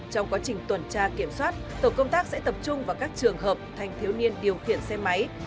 trong quá trình tuần tra kiểm soát tổ công tác sẽ tập trung vào các trường hợp thanh thiếu niên điều khiển xe máy